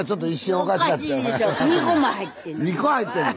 ２個も入ってんの。